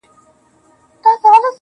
زخمي ـ زخمي سترګي که زما وویني~